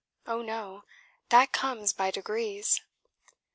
Oh, no; that comes by degrees."